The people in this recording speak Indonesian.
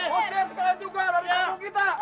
pergi sekarang juga dari kamu kita